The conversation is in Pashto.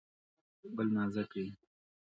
ګل نازک وي.